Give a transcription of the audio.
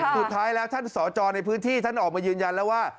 สุดท้ายแล้วท่านสอจอในพื้นที่ท่านออกมายืนยันแล้วว่า